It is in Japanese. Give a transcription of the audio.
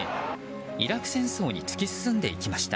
イラク戦争に突き進んでいきました。